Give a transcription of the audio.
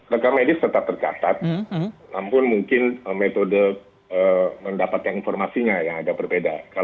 rekam medis tetap tercatat namun mungkin metode mendapatkan informasinya yang agak berbeda